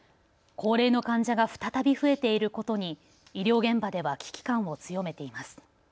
高齢の患者が再び増えていることに医療現場では危機感を強めています。